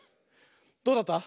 どうだった？